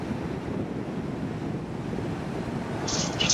武亭早年到汉城求学。